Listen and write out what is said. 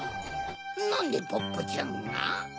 なんでポッポちゃんが？